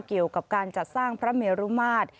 เกี่ยวกับการจัดสร้างพระเมรุมาตร